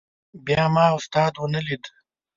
بیا ما استاد ونه لید.